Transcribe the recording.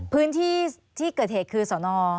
พื้นที่ที่เกิดเหตุคือสน